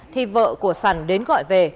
thì vợ của sẵn đến gọi về